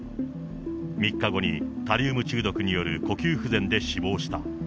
３日後にタリウム中毒による呼吸不全で死亡した。